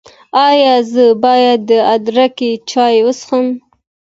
ایا زه باید د ادرک چای وڅښم؟